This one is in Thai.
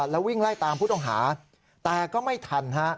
แล้ววิ่งไล่ตามผู้ต้องหาแต่ก็ไม่ทันฮะ